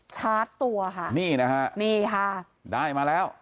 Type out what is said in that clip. ชาร์จตัวค่ะนี่นะฮะนี่ค่ะได้มาแล้ว